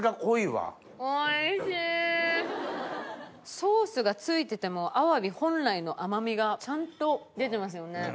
ソースが付いててもアワビ本来の甘みがちゃんと出てますよね。